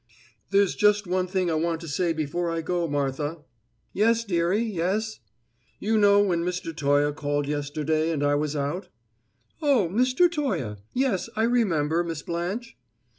"There's just one thing I want to say before I go, Martha." "Yes, dearie, yes?" "You know when Mr. Toye called yesterday, and I was out?" "Oh, Mr. Toye; yes, I remember, Miss Blanche."